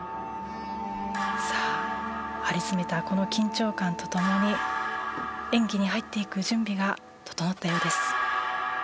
さあ張り詰めたこの緊張感と共に演技に入っていく準備が整ったようです。